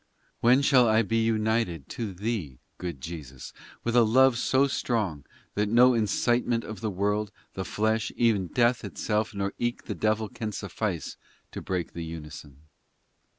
X When shall I be united To Thee, good Jesus, with a love so strong That no incitement of the world, The flesh, e en death itself, Nor eke the devil, can suffice To break the unison